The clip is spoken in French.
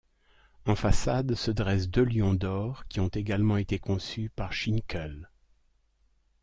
En façade, se dressent deux lions d'or, qui ont également été conçus par Schinkel.